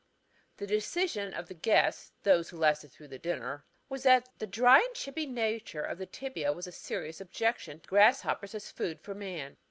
The decision of the guests those who lasted through the dinner was that 'the dry and chippy character of the tibiæ was a serious objection to grasshoppers as food for man.'